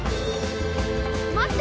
待って！